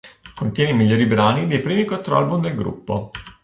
Contiene i migliori brani dei primi quattro album del gruppo.